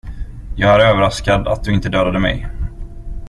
Jag är överraskad att du inte dödade mig.